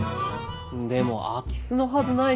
でも空き巣のはずないですよね。